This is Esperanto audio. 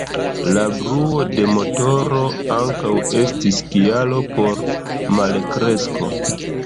La bruo de motoro ankaŭ estis kialo por malkresko.